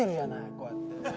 こうやって。